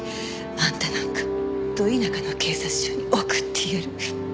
あんたなんかど田舎の警察署に送ってやる。